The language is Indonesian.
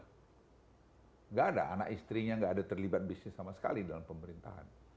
tidak ada anak istrinya tidak ada terlibat bisnis sama sekali dalam pemerintahan